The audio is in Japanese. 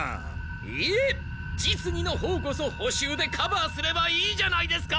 いえ実技のほうこそほ習でカバーすればいいじゃないですか！